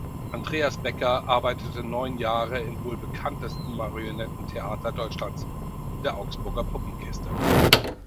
Andreas Becker arbeitete neun Jahre im wohl bekanntesten Marionettentheater Deutschlands, der Augsburger Puppenkiste.